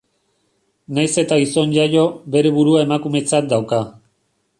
Nahiz eta gizon jaio, bere burua emakumetzat dauka.